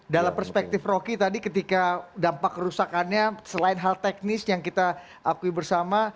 dalam perspektif rocky tadi ketika dampak kerusakannya selain hal teknis yang kita akui bersama